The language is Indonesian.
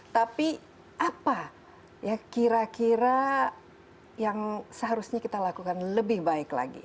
tapi apa ya kira kira yang seharusnya kita lakukan lebih baik lagi